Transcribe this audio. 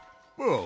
ああ！